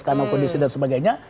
karena kondisi dan sebagainya